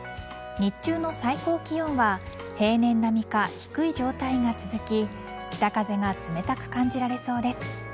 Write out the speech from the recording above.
日中の最高気温は平年並みか低い状態が続き北風が冷たく感じられそうです。